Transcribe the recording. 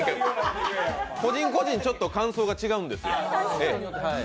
個人個人、ちょっと感想が違うんですよ。